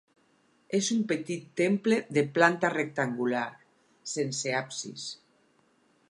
És un petit temple de planta rectangular sense absis.